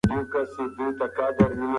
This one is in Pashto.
جنګونه د کینې پایله ده.